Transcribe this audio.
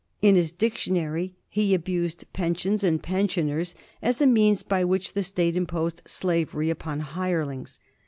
In his dictionary he abused pensions and pensioners as a means by which the State imposed slavery upon hirelings.